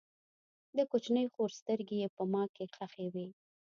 د کوچنۍ خور سترګې یې په ما کې خښې وې